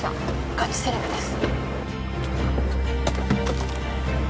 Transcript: ガチセレブです